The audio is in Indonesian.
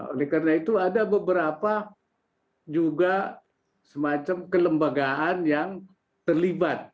oleh karena itu ada beberapa juga semacam kelembagaan yang terlibat